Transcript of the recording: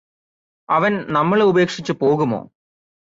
അവന് നമ്മളെ ഉപേക്ഷിച്ചുപോകുമോ